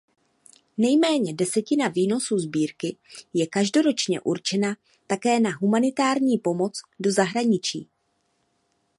Nejméně desetina výnosu sbírky je každoročně určena také na humanitární pomoc do zahraničí.